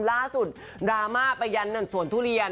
ล่าสุดดราม้าประยันนั่นสวนทุเรียน